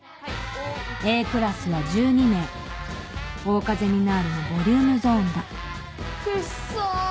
Ａクラスは１２名桜花ゼミナールのボリュームゾーンだクッソ！